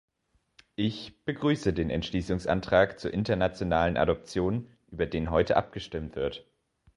Ich begrüße den Entschließungsantrag zur internationalen Adoption, über den heute abgestimmt wird.